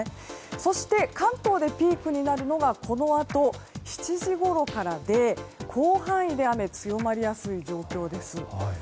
そして、関東でピークになるのがこのあと７時ごろからで広範囲で雨が強まりやすい状況です。